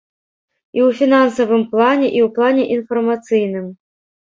І ў фінансавым плане, і ў плане інфармацыйным.